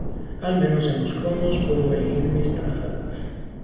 Al menos en los cronos puedo elegir mis trazadas.